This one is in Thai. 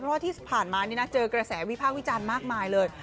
เพราะว่าที่ผ่านมานี่นะเจอกระแสวิพากษ์วิจารณ์มากมายเลย